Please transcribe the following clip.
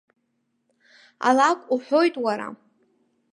Алакә уҳәоит уара!